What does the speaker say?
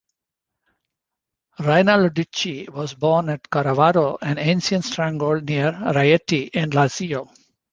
Rainalducci was born at Corvaro, an ancient stronghold near Rieti in Lazio.